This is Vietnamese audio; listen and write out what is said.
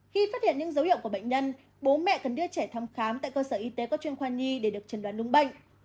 khi phát hiện những dấu hiệu của bệnh nhân bố mẹ cần đưa trẻ thăm khám tại cơ sở y tế có chuyên khoa nhi để được chẩn đoán đúng bệnh